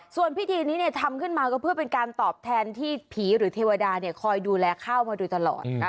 ส่วนพิธีนี้ทำขึ้นมาก็เพื่อเป็นการตอบแทนที่ผีหรือเทวดาคอยดูแลข้าวมาโดยตลอด